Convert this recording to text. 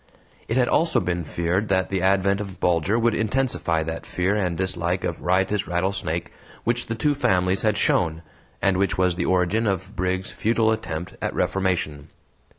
It had also been feared that the advent of Bulger would intensify that fear and dislike of riotous Rattlesnake which the two families had shown, and which was the origin of Briggs's futile attempt at reformation.